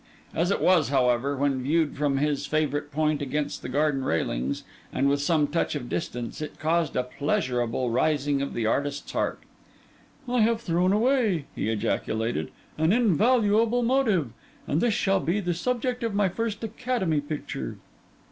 As it was, however, when viewed from his favourite point against the garden railings, and with some touch of distance, it caused a pleasurable rising of the artist's heart. 'I have thrown away,' he ejaculated, 'an invaluable motive; and this shall be the subject of my first academy picture.